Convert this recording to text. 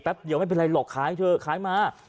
เดียวไม่เป็นไรหรอกขายเถอะขายมา